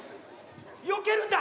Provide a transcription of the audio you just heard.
よけるんだ！